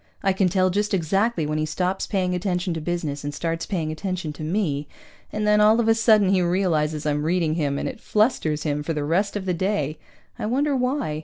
I can tell just exactly when he stops paying attention to business and starts paying attention to me, and then all of a sudden he realizes I'm reading him, and it flusters him for the rest of the day. I wonder why?